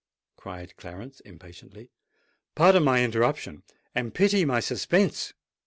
cried Clarence impatiently. "Pardon my interruption—and pity my suspense."